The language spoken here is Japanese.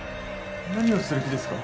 何をする気ですか？